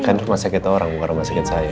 kan rumah sakit orang rumah sakit saya